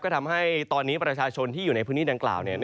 ก็ทำให้ตอนนี้ประชาชนที่อยู่ในพื้นที่ดังกล่าว